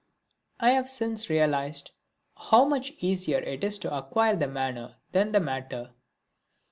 I have since realised how much easier it is to acquire the manner than the matter.